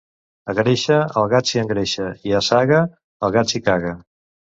A Gréixer el gat s'hi engreixa i a Saga el gat s'hi caga.